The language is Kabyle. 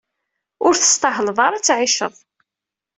Ur testahleḍ ara ad tɛiceḍ.